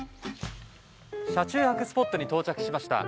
車中泊スポットに到着しました。